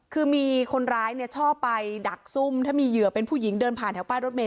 คือมีคนร้ายเนี่ยชอบไปดักซุ่มถ้ามีเหยื่อเป็นผู้หญิงเดินผ่านแถวป้ายรถเมย